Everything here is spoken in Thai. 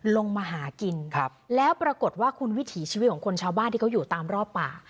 ลงมาหากินครับแล้วปรากฏว่าคุณวิถีชีวิตของคนชาวบ้านที่เขาอยู่ตามรอบป่า